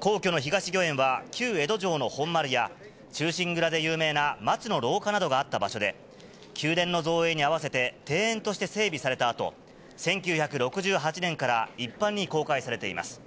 皇居の東御苑は、旧江戸城の本丸や、忠臣蔵で有名な松の廊下などがあった場所で、宮殿の造営に合わせて、庭園として整備されたあと、１９６８年から一般に公開されています。